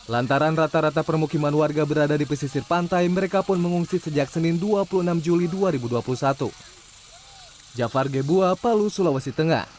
lantaran rata rata permukiman warga berada di pesisir pantai mereka pun mengungsi sejak senin dua puluh enam juli dua ribu dua puluh satu